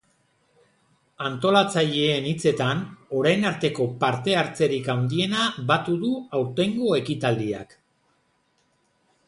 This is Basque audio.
Antolatzaileen hitzetan, orain arteko parte hartzerik handiena batu du aurtengo ekitaldiak.